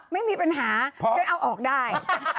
ไม่มีปัญหาฉันเอาออกได้